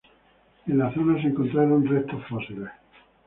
En la zona se encontraron restos fósiles.